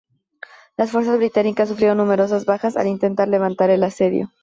Las fuerzas británicas sufrieron numerosas bajas al intentar levantar el asedio.